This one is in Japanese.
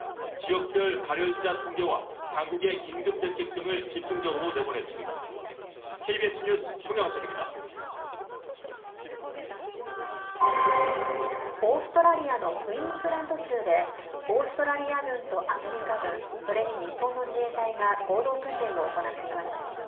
オーストラリアのクイーンズランド州でオーストラリア軍とアメリカ軍それに日本の自衛隊が合同訓練を行っています。